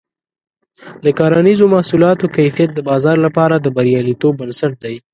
د کرنیزو محصولاتو کیفیت د بازار لپاره د بریالیتوب بنسټ دی.